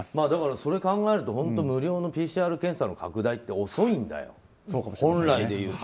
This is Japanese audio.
それを考えると無料のＰＣＲ検査の拡大って遅いんだよ、本来でいうと。